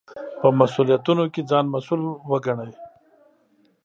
په مسوولیتونو کې ځان مسوول وګڼئ.